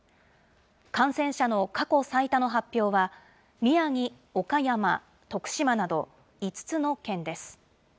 感染者の過去最多の発表は宮城、岡山、徳島など、５つの県です。